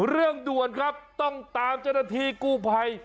เรื่องด่วนครับต้องตามเจ้าหน้าที่กู้ภัย